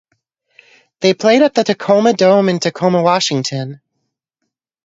They played at the Tacoma Dome in Tacoma, Washington.